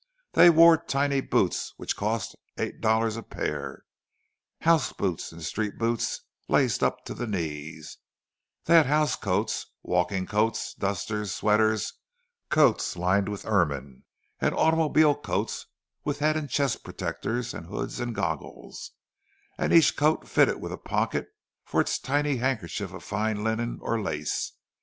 They wore tiny boots, which cost eight dollars a pair—house boots, and street boots lacing up to the knees; they had house coats, walking coats, dusters, sweaters, coats lined with ermine, and automobile coats with head and chest protectors and hoods and goggles—and each coat fitted with a pocket for its tiny handkerchief of fine linen or lace!